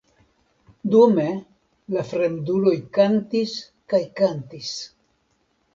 Dume, la fremduloj kantis kaj kantis.